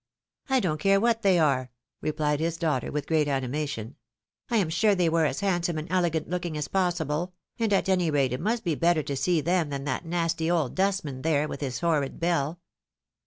" I don't care what they were," replied his daughter, with great animation ; "I am sure they were as handsome and elegant looking as possible ; and at any rate it must be better to see them than that nasty old dustman there, with his horrid bell."